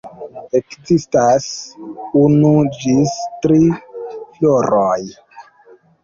Ekzistas unu ĝis tri floroj.